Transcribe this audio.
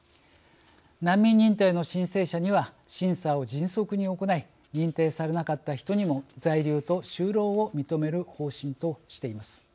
難民認定の申請者には審査を迅速に行い認定されなかった人にも在留と就労を認める方針としています。